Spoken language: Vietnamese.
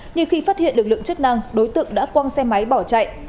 nhìn khi phát hiện lực lượng chức năng đối tượng đã quăng xe máy bỏ chạy